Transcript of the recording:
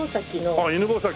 あっ犬吠埼。